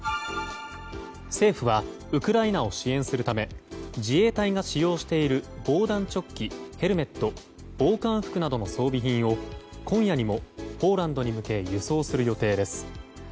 政府はウクライナを支援するため自衛隊が使用している防弾チョッキヘルメット、防寒服などの装備品を今夜にもポーランドに向け輸送する予定です。